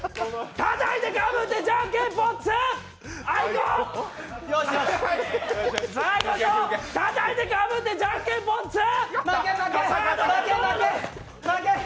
たたいてかぶってじゃんけんぽん２あいこ。